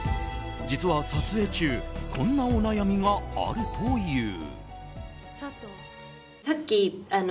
実は撮影中こんなお悩みがあるという。